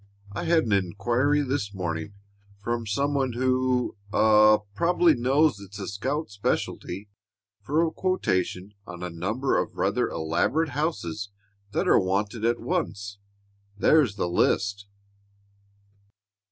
I had an inquiry this morning from some one who a probably knows it's a scout specialty for a quotation on a number of rather elaborate houses that are wanted at once. There's the list."